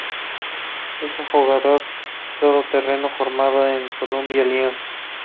Es un jugador todoterreno formado en Columbia Lions.